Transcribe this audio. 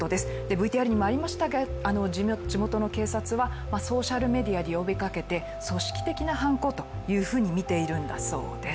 ＶＴＲにもありましたが地元の警察はソーシャルメディアで呼びかけて組織的な犯行というふうにみているんだそうです。